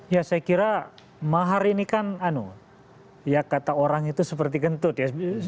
ya saya kira mahar ini kan ya kata orang itu seperti gentut ya